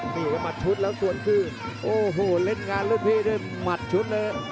นี่ครับหัดชุดแล้วส่วนขึ้นโอ้โหเล่นงานรุ่นพี่ด้วยหมัดชุดเลย